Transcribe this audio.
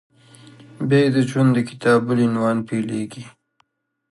بیا یې د ژوند د کتاب بل عنوان پیل کېږي…